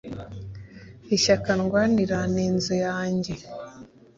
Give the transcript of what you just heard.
Ishyaka ndwanira ni inzu yanjye